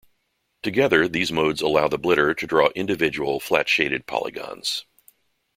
Together, these modes allow the blitter to draw individual flat-shaded polygons.